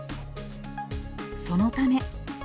そのため。